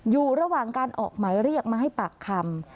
อยู่ระหว่างการออกหมายเรียกมาให้ปากคำ